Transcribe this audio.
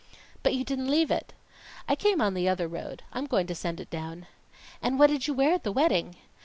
"But you didn't leave it." "I came on the other road. I'm going to send it down." "And what did you wear at the wedding?"